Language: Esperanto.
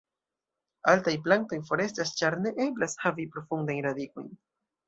Altaj plantoj forestas ĉar ne eblas havi profundajn radikojn.